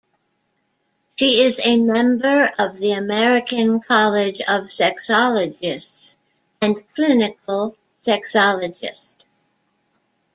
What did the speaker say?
She is a member of the American College of Sexologists, and clinical sexologist.